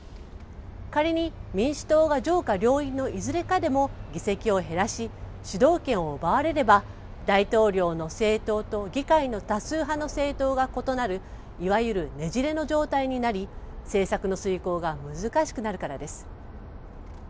仮に民主党が上下両院のいずれかでも議席を減らし主導権を奪われれば大統領の政党と議会の多数派の政党が異なるいわゆる、ねじれの状態になり政策の遂行が難しくなるからです。